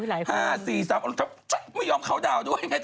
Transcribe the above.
๕๔๓ไม่ยอมเคาน์ดาวน์ด้วยไงจะ